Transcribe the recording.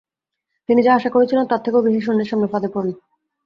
তিনি যা আশা করেছিলেন তার থেকেও বেশি সৈন্যের সামনে ফাঁদে পড়েন।